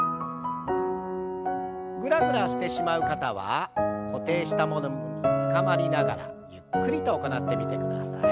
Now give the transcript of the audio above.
ぐらぐらしてしまう方は固定したものにつかまりながらゆっくりと行ってみてください。